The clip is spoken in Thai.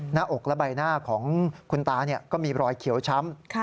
หน้าอกและใบหน้าของคุณตาก็มีรอยเขียวช้ำ